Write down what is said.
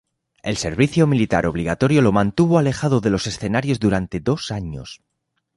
El servicio militar obligatorio lo mantuvo alejado de los escenarios durante dos años.